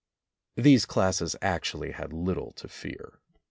These classes actually had little to fear.